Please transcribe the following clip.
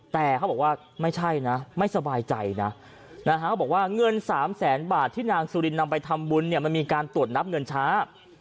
แต่เขาบอกว่าไม่ใช่นะไม่สบายใจนะเขาบอกว่าเงิน๓แสนบาทที่นางสุรินนำไปทำบุญเนี่ยมันมีการตรวจนับเงินช้า